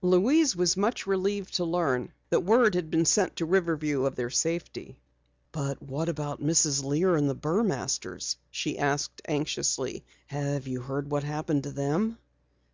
Louise was much relieved to learn that word had been sent to Riverview of their safety. "But what of Mrs. Lear and the Burmasters?" she asked anxiously. "Have you heard what happened to them?"